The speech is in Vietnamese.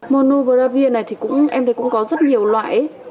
monoverravi này thì em thấy cũng có rất nhiều loại